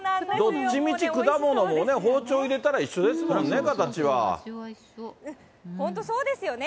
どっちみち果物も包丁入れたら一緒ですもんね、本当そうですよね。